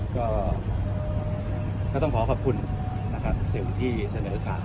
ก็ต้องขอขอบคุณสื่อที่เสนอข่าว